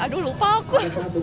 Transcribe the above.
aduh lupa aku